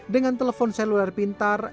dengan telepon seluler pintar